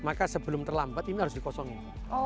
maka sebelum terlambat ini harus dikosongin